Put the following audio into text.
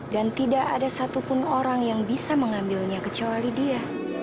dan tidak ada satupun orang yang bisa mengambilnya kecuali dia